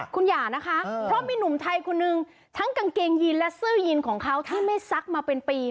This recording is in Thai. คุณอย่านะคะเพราะมีหนุ่มไทยคนหนึ่งทั้งกางเกงยีนและเสื้อยีนของเขาที่ไม่ซักมาเป็นปี